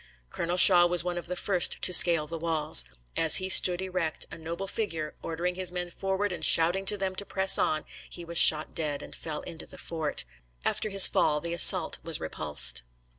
Colonel Shaw was one of the first to scale the walls. As he stood erect, a noble figure, ordering his men forward and shouting to them to press on, he was shot dead and fell into the fort. After his fall, the assault was repulsed.